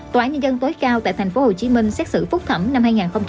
tòa án nhân dân tối cao tại tp hcm xét xử phúc thẩm năm hai nghìn một mươi ba